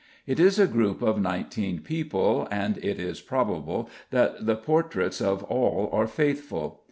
It is a group of nineteen people, and it is probable that the portraits of all are faithful.